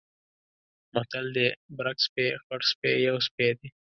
متل دی: برګ سپی، خړسپی یو سپی دی.